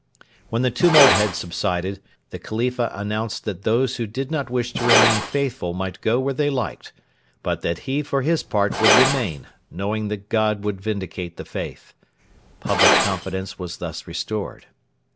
When the tumult had subsided, the Khalifa announced that those who did not wish to remain faithful might go where they liked, but that he for his part would remain, knowing that God would vindicate the faith. Public confidence was thus restored.